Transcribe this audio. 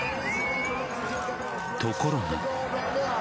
ところが。